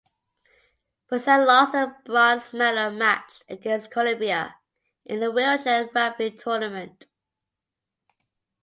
Brazil lost their bronze medal match against Colombia in the wheelchair rugby tournament.